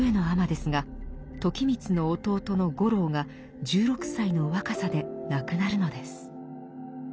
尼ですが時光の弟の五郎が１６歳の若さで亡くなるのです。